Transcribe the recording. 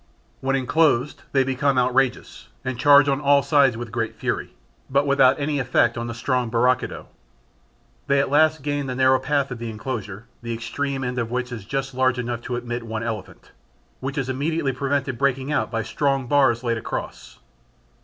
When enclosed they become outrageous, and charge on all sides with great fury, but without any effect on the strong barricado; they at last gain the narrow path of the enclosure, the extreme end of which is just large enough to admit one elephant, which is immediately prevented breaking out by strong bars laid across.